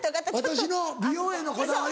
「私の美容へのこだわり」。